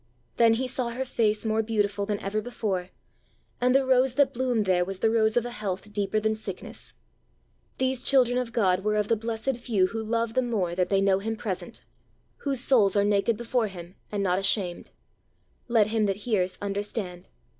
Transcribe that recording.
Then he saw her face more beautiful than ever before; and the rose that bloomed there was the rose of a health deeper than sickness. These children of God were of the blessed few who love the more that they know him present, whose souls are naked before him, and not ashamed. Let him that hears understand!